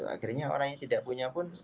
akhirnya orang yang tidak punya pun